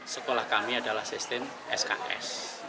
sekolah kami adalah sistem sks